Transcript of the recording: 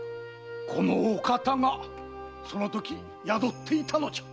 このお方がそのとき宿っていたのじゃ！